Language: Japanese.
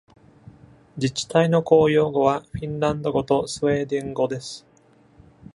自治体の公用語はフィンランド語とスウェーデン語です。